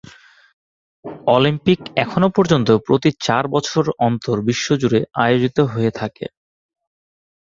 Olympic এখনো পর্যন্ত প্রতি চার বছর অন্তর বিশ্বজুড়ে আয়োজিত হয়ে থাকে।